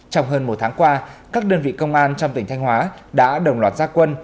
trong hơn một tháng qua các đơn vị công an trong tỉnh thanh hóa đã đồng loạt gia quân